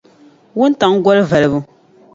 wuntaŋ goli valibu.